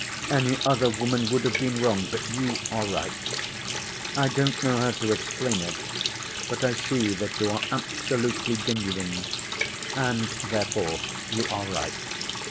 Any other woman would have been wrong, but you are right. I don't know how to explain it, but I see that you are absolutely genuine and, therefore, you are right."